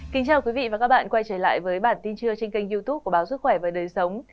kính chào quý vị và các bạn quay trở lại với bản tin trưa trên kênh youtube của báo sức khỏe và đời sống